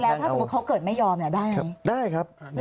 แต่สมมุติเขาเกิดไม่ยอมเนี่ยด้ายไหม